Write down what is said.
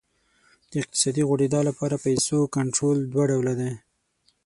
د اقتصادي غوړېدا لپاره پیسو کنټرول دوه ډوله دی.